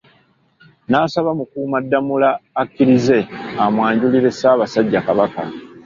Nasaba Mukuumaddamula akkirize amwanjulire Ssaabasajja Kabaka.